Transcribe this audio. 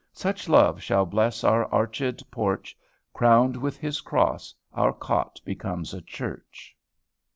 Such love shall bless our archèd porch; Crowned with his cross, our cot becomes a church."